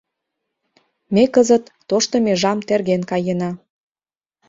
— Ме кызыт тошто межам терген каена.